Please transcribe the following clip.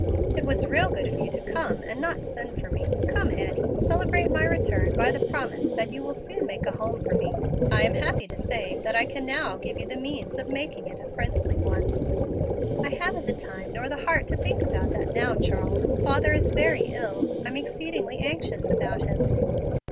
It was real good of you to come, and not send for me. Come Annie, celebrate my return by the promise that you will soon make a home for me. I am happy to say that I can now give you the means of making it a princely one." "I haven't the time nor the heart to think about that now, Charles. Father is very ill. I'm exceedingly anxious about him."